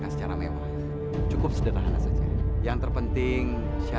sampai jumpa di video selanjutnya